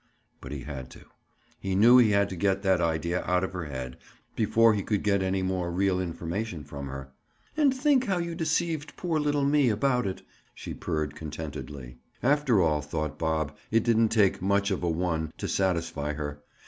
But he had to. He knew he had to get that idea out of her head, before he could get any more real information from her. "And think how you deceived poor little me, about it!" she purred contentedly. After all, thought Bob, it didn't take "much of a one" to satisfy her.